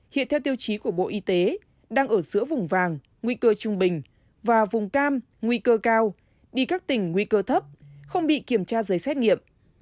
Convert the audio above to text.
hiện theo tiêu chí của bộ y tế đang ở giữa vùng vàng nguy cơ trung bình và vùng cam nguy cơ cao đi các tỉnh nguy cơ thấp không bị kiểm tra giấy xét nghiệm